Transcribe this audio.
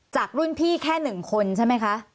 จากรุ่นพี่แค่๑คนใช่ไหมคะ